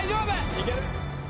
いける！